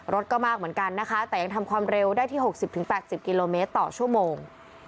รถก็มากเหมือนกันนะคะแต่ยังทำความเร็วได้ที่๖๐๘๐กิโลเมตรต่อชั่วโมง